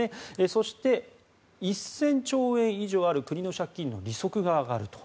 そして、１０００兆円以上ある国の借金の利息が上がると。